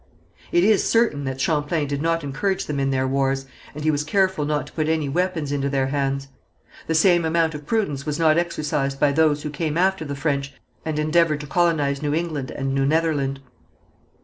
It is certain that Champlain did not encourage them in their wars, and he was careful not to put any weapons into their hands. The same amount of prudence was not exercised by those who came after the French and endeavoured to colonize New England and New Netherland.